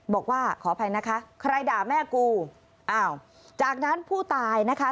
บอกว่าขออภัยนะคะใครด่าแม่กูอ้าวจากนั้นผู้ตายนะคะ